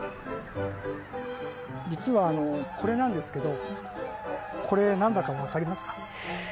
実はこれなんですけどこれ何だか分かりますか？